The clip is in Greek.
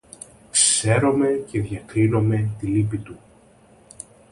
Ξέρομε και διακρίνομε τη λύπη του